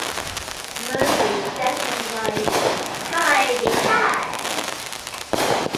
Murphy's second wife is Hi-de-Hi!